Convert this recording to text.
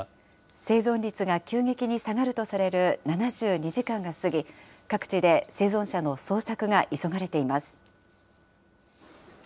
生存率が急激に下がるとされる７２時間が過ぎ、各地で生存者の捜索が急がれています。